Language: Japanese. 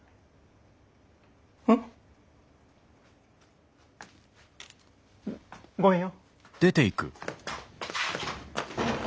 ん？ごめんよ。